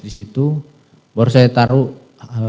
di situ baru saya taruh